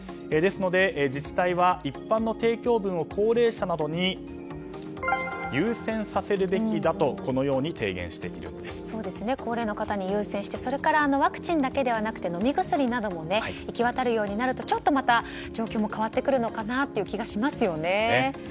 ですので、自治体は一般の提供分を高齢者などに優先させるべきだと高齢の方に優先してそれからワクチンだけではなくて飲み薬などもいきわたるようになるとちょっと状況も変わってくるのかなという気がしますよね。